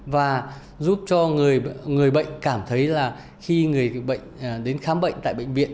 và giúp cho người bệnh cảm thấy là khi người bệnh đến khám bệnh tại bệnh viện